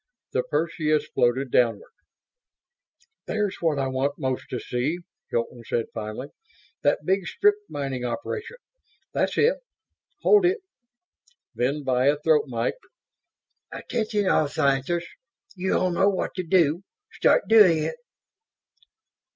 The Perseus floated downward. "There's what I want most to see," Hilton said, finally. "That big strip mining operation ... that's it ... hold it!" Then, via throat mike, "Attention, all scientists! You all know what to do. Start doing it."